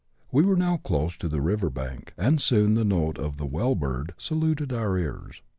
We were now close to the river bank, and soon the note of the bell bird saluted our ears.